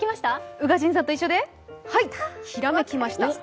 宇賀神さんと一緒で、ひらめきました。